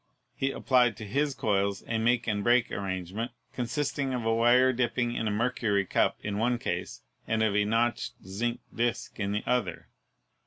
He applied to his coils a make and break arrangement, consisting of a wire dipping in a mercury cup in one case and of a notched zinc disk in the other.